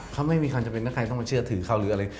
เขาไม่มีความจำเป็นถ้าใครต้องมาเชื่อถือเขาหรืออะไร